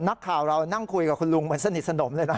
นักข่าวเรานั่งคุยกับคุณลุงเหมือนสนิทสนมเลยนะ